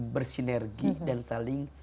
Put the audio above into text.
bersinergi dan saling